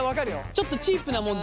ちょっとチープなもの